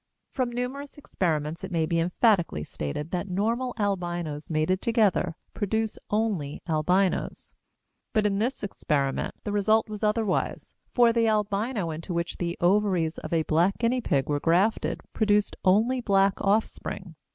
"From numerous experiments it may be emphatically stated that normal albinos mated together produce only albinos." But in this experiment the result was otherwise, for the albino into which the ovaries of a black guinea pig were grafted produced only black offspring.